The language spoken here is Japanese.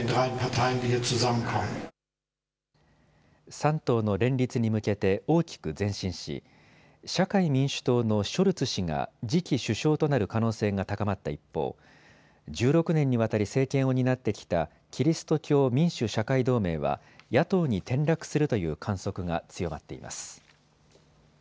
３党の連立に向けて大きく前進し社会民主党のショルツ氏が次期首相となる可能性が高まった一方、１６年にわたり政権を担ってきたキリスト教民主・社会同盟は野党に転落するという観測が強まっています。